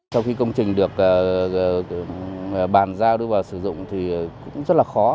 sau khi công trình được bàn giao đưa vào sử dụng thì cũng rất là khó